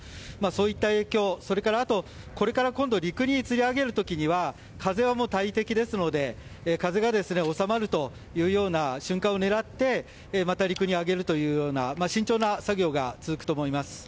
そういった影響それから、これから今度陸につり上げる時には風は大敵ですので風が収まるというような瞬間を狙ってまた陸に揚げるという慎重な作業が続くと思います。